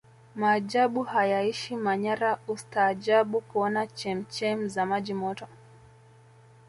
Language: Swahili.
majaabu hayaishi manyara utastaajabu kuona chemchem za maji Moto